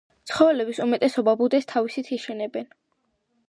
ცხოველების უმრავლესობა ბუდეს თავისთვის იშენებს.